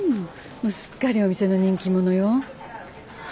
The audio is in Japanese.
もうすっかりお店の人気者よ。